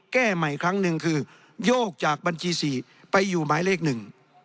แก้ใหม่ครั้งหนึ่งคือโยกจากบัญชีสี่ไปอยู่หมายเลขหนึ่ง